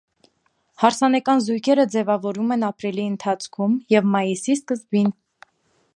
Հարսանեկան զույգերը ձևավորում են ապրիլի ընթացքում և մայիսի սկզբին։